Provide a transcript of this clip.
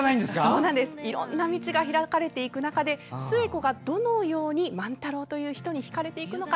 いろんな道が開かれていく中で寿恵子がどのように万太郎という人にひかれていくのか。